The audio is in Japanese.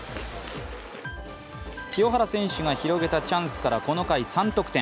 清原が広げたチャンスからこの回、３得点。